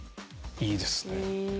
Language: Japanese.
いいですね。